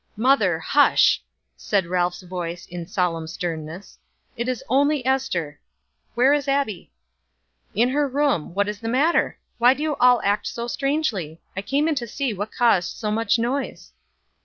"Mother, hush!" said Ralph's voice in solemn sternness. "It is only Ester. Where is Abbie?" "In her room. What is the matter? Why do you all act so strangely? I came to see what caused so much noise."